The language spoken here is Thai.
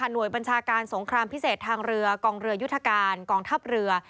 หน่วยบัญชาการสงครามพิเศษทางเรือกองเรือยุทธการกองทัพเรือ